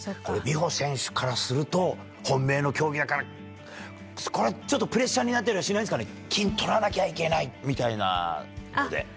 これ、美帆選手からすると、本命の競技だから、これ、ちょっとプレッシャーになったりしないんですかね、金とらなきゃいけない！みたいなことで。